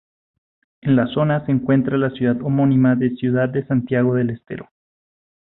En la zona se encuentra la ciudad homónima de Ciudad de Santiago del Estero.